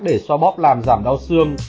để xoa bóp làm giảm đau xương